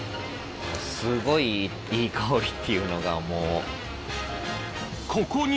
すごいいい香りっていうのがもう。